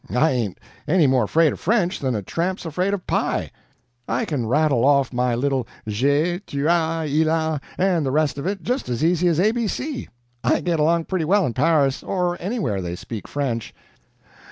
I ain't any more afraid of French than a tramp's afraid of pie; I can rattle off my little J'AI, TU AS, IL A, and the rest of it, just as easy as a b c. I get along pretty well in Paris, or anywhere where they speak French.